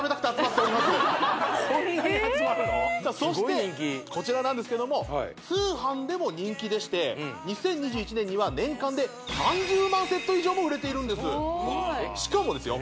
すごい人気そしてこちらなんですけれども通販でも人気でして２０２１年には年間で３０万セット以上も売れているんですしかもですよ